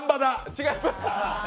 違います。